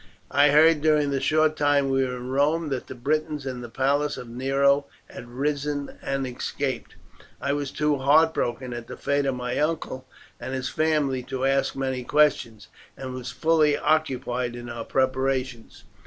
I heard during the short time we were in Rome that the Britons in the palace of Nero had risen and escaped. I was too heartbroken at the fate of my uncle and his family to ask many questions, and was fully occupied in our preparations.